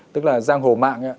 tức là giang hồ mạng ạ